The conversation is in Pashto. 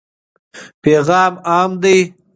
پیغام عام دی.